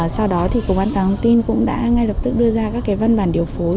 sau đó thì cục an toàn thông tin cũng đã ngay lập tức đưa ra các văn bản điều phối